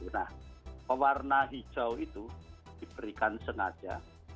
nah pewarna hijau itu diberikan sengaja